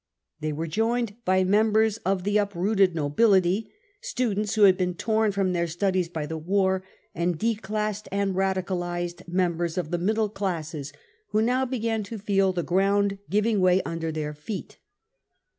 They were joined by members of the uprooted " nobility, students who had been torn from their studies by the war, and declassed and radicalised members of the middle classes who now began to feel the ground giving way under their feet.